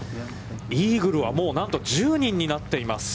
イーグルは、もうなんと１０人になっています。